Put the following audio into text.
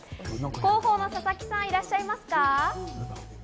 広報の佐々木さん、いらっしゃいますか？